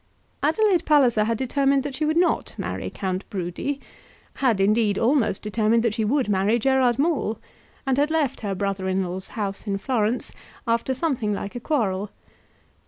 Adelaide Palliser had determined that she would not marry Count Brudi; had, indeed, almost determined that she would marry Gerard Maule, and had left her brother in law's house in Florence after something like a quarrel.